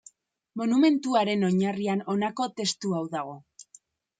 Monumentuaren oinarrian honako testu hau dago.